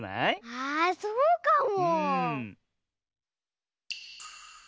あそうかも！